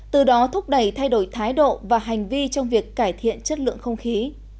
từ đó thúc đẩy thay đổi thái độ và hành vi trong việc cải thiện chất lượng không khí